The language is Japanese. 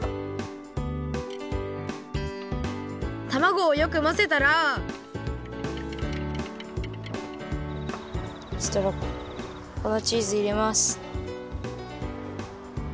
たまごをよくまぜたらそしたらこなチーズいれます。